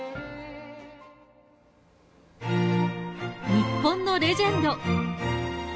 「日本のレジェンド！」